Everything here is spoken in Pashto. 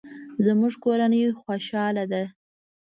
زموږ کورنۍ خوشحاله ده